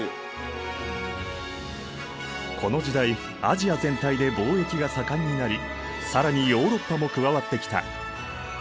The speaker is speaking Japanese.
この時代アジア全体で貿易が盛んになり更にヨーロッパも加わってきた。